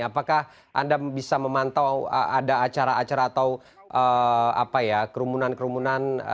apakah anda bisa memantau ada acara acara atau kerumunan kerumunan